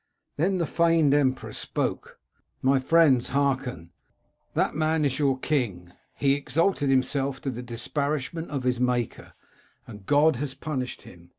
Then the feigned emperor spoke :—* My friends, hearken ! That man is your king. He exalted himself, to the disparagement of his Maker, and God has punished him.